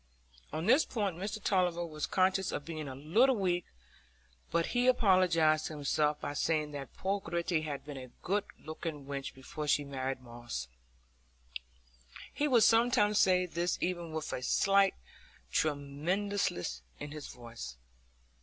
On this point Mr Tulliver was conscious of being a little weak; but he apologised to himself by saying that poor Gritty had been a good looking wench before she married Moss; he would sometimes say this even with a slight tremulousness in his voice.